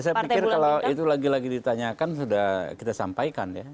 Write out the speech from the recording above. saya pikir kalau itu lagi lagi ditanyakan sudah kita sampaikan ya